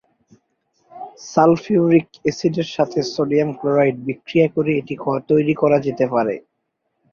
Sulphuric অ্যাসিডের সাথে sodium chloride বিক্রিয়া করে এটি তৈরি করা যেতে পারে।